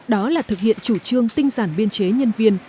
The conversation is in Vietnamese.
đó là thực hiện chủ trương tinh giản biên chế nhân viên